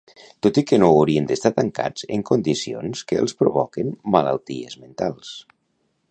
Tot i que no haurien d'estar tancats en condicions que els provoquen malalties mentals.